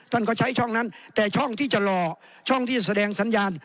ท่านก็ใช้ช่องนั้นแต่ช่องที่จะรอช่องที่แสดงสัญญาณ